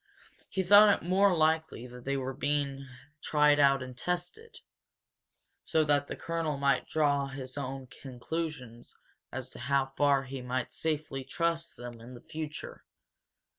He thought it more likely that they were being tried out and tested, so that the colonel might draw his own conclusions as to how far he might safely trust them in the future.